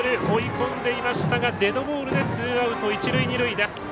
追い込んでいましたがデッドボールでツーアウト、一塁二塁です。